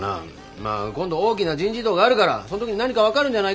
まあ今度大きな人事異動があるからそん時に何か分かるんじゃないか？